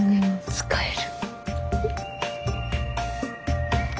使える。